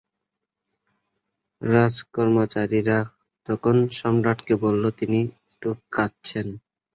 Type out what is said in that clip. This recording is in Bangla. রাজকর্মচারীরা তখন সম্রাটকে বলল, তিনি তো কাঁদছেন।